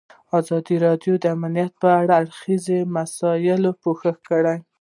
ازادي راډیو د امنیت په اړه د هر اړخیزو مسایلو پوښښ کړی.